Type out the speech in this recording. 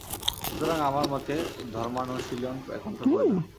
সুতরাং আমার মতে ধর্মানুশীলন একান্ত প্রয়োজন।